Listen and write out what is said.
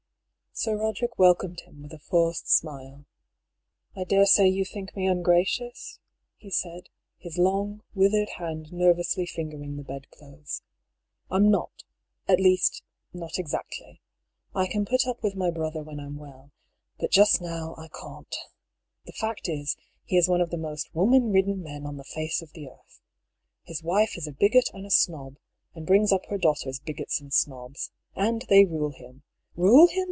Sir Boderick welcomed him with a forced smile. " I daresay you think me ungracious ?" he said, his long, withered hand nervously fingering the bedclothes. " I'm not — ^at least, not exactly. I can put up with my brother when I'm well, but just now I can't. The fact is, he is one of the most woman ridden men on the face of the earth. His wife is a bigot and a snob, and brings up her daughters bigots and snobs. And they rule bim. Rule him